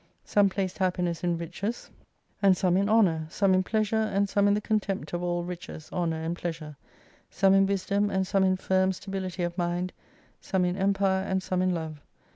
Some placed happiness in riches, and 152 some in honour, some in pleasure, and some in the contempt of all riches, honor, and pleasure ; some in wisdom and some in firm stability of mind, some in empire and some in love.